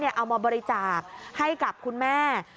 เอามาบริจาคให้กับคุณแม่